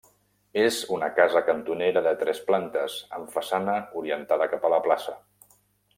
És una casa cantonera de tres plantes amb façana orientada cap a la plaça.